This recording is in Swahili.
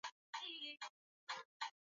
ni lazima tuweze kutambua kwamba